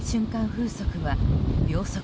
風速は秒速